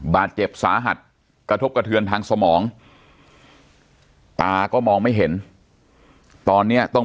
บาดเจ็บสาหัสกระทบกระเทือนทางสมองตาก็มองไม่เห็นตอนนี้ต้อง